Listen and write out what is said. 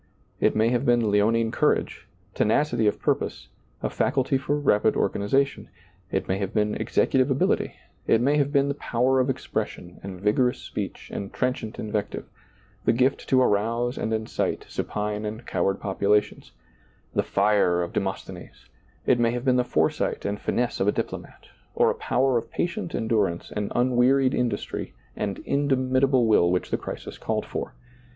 It may have been leonine courage, tenacity of purpose, a faculty for rapid organization ; it may have been executive ability ; it may have been the power of expression and vigorous speech and trenchant invective, the gift to arouse and incite supine and coward populations — the fire of De mosthenes; it may have been the foresight and finesse of a diplomat or a power of patient endu rance and unwearied industry and indomitable will which the crisis called for.